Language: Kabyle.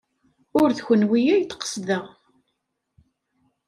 Ur d kenwi ay d-qesdeɣ.